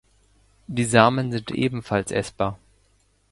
Die Samen sind ebenfalls essbar.